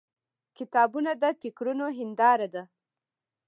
• کتابونه د فکرونو هنداره ده.